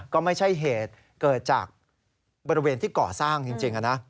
ก็ไม่ใช่เหตุเกิดจากบริเวณที่ก่อสร้างจริงนะ